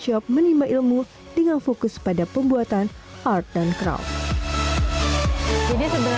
lahirlah workshop menimba ilmu dengan fokus pada pembuatan art dan craft